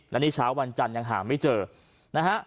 แล้วนี่เช้าวันจันอย่างหล่าไม่เจอนะฮะ